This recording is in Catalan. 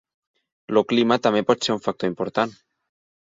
El clima també pot ser un factor important.